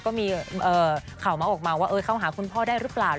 ก็มีข่าวเมาส์ออกมาว่าเข้าหาคุณพ่อได้หรือเปล่า